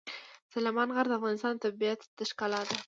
سلیمان غر د افغانستان د طبیعت د ښکلا برخه ده.